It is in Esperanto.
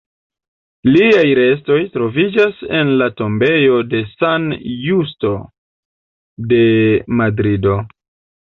Liaj restoj troviĝas en la tombejo de San Justo de Madrido.